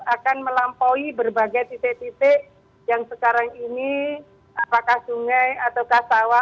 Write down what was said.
akan melampaui berbagai titik titik yang sekarang ini apakah sungai ataukah sawah